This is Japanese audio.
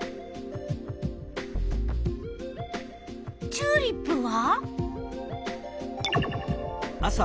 チューリップは？